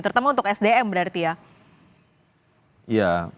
terutama untuk sdm berarti ya